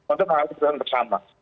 untuk mengatur perkembangan bersama